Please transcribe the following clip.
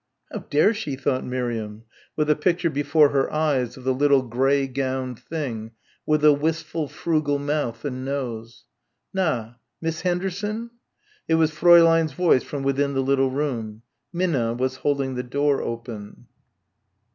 "How dare she?" thought Miriam, with a picture before her eyes of the little grey gowned thing with the wistful, frugal mouth and nose. "Na Miss Henderson?" It was Fräulein's voice from within the little room. Minna was holding the door open.